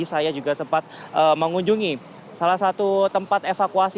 saya juga sempat mengunjungi salah satu tempat evakuasi